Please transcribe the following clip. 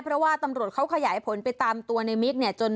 เพราะว่าตำรวจเขาขยายผลไปตามตัวในมิกเนี่ย